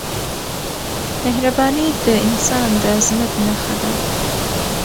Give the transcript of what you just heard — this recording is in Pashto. مهرباني د انسان د عظمت نښه ده.